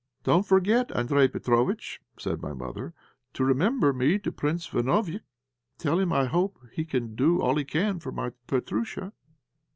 "Don't forget, Andréj Petróvitch," said my mother, "to remember me to Prince Banojik; tell him I hope he will do all he can for my Petróusha."